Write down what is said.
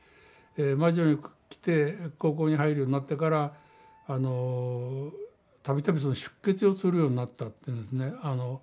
マジュロに来て高校に入るようになってからたびたび出血をするようになったというんですね。